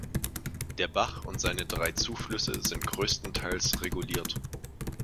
Der Bach und seine drei Zuflüsse sind größtenteils reguliert.